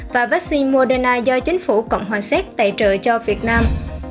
và vắc xin moderna do chính phủ cộng hòa xét tài trợ cho việt nam